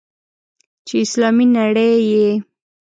چې اسلامي نړۍ یې.